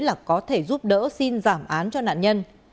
là có thể giúp đỡ xin giảm án cho nạn nhân